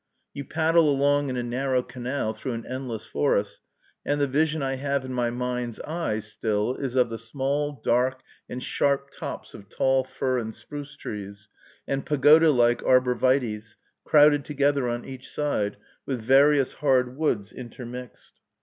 You paddle along in a narrow canal through an endless forest, and the vision I have in my mind's eye, still, is of the small, dark, and sharp tops of tall fir and spruce trees, and pagoda like arbor vitæs, crowded together on each side, with various hard woods intermixed.